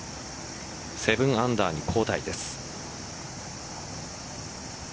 ７アンダーに後退です。